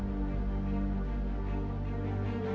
nggak ada yang nunggu